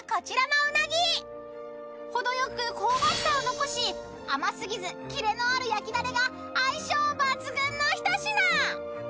［程よく香ばしさを残し甘すぎずキレのある焼きだれが相性抜群の一品］